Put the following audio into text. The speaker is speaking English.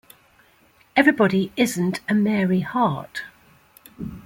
Everybody isn't a Mary Hart.